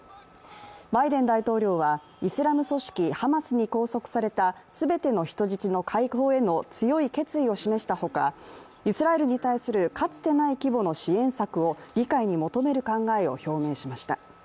バイデン大統領はイスラム組織ハマスに拘束された全ての人質の解放への強い決意を示したほかイスラエルに対するかつてない規模の支援策を議会に求める考えを表明しました。